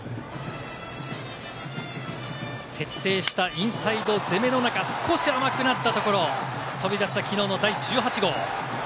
徹底したインサイド攻めの中、少し甘くなったところ、飛び出した昨日の第１８号。